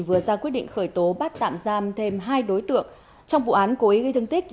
vừa ra quyết định khởi tố bắt tạm giam thêm hai đối tượng trong vụ án cố ý gây thương tích